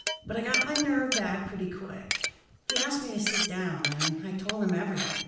But I got my nerve back pretty quick. He asked me to sit down, and I told him everything.